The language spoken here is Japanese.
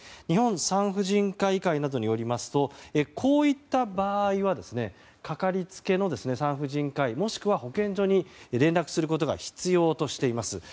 日本産婦人科医会などによりますとこういった場合はかかりつけの産婦人科医もしくは保健所に連絡することが必要としています。